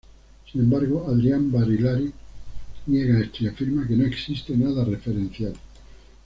Sin embargo, Adrián Barilari niega esto y afirma que no existe nada referencial.